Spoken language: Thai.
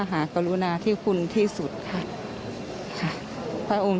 ท่านผู้ชมครับ